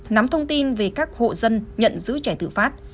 nắm thông tin về các hộ dân nhận giữ trẻ tự phát